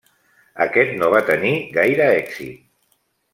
Aquest no va tenir gaire èxit.